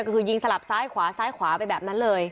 ก็คือยิงสลับซ้ายขวาซ้ายขวาไปแบบนั้นเลย